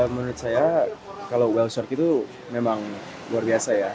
menurut saya kalau well short itu memang luar biasa ya